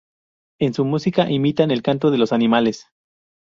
En su música imitan el canto de los animales.